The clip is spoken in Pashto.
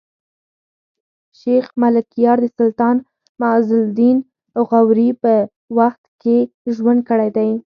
شېخ ملکیار د سلطان معز الدین غوري په وخت کښي ژوند کړی دﺉ.